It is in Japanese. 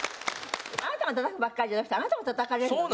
あなたがたたくばっかりじゃなくてあなたもたたかれるのね。